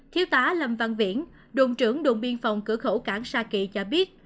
thiếu tá lâm văn viễn đồn trưởng đồn biên phòng cửa khẩu cảng sa kỳ cho biết